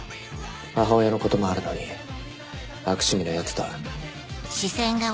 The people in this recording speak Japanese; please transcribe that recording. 母親のこともあるのに悪趣味なヤツだ。